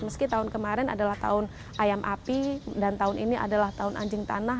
meski tahun kemarin adalah tahun ayam api dan tahun ini adalah tahun anjing tanah